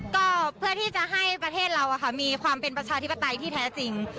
ก็เพื่อที่จะให้ประเทศเรามีความเป็นประชาธิปไตยที่แท้จริง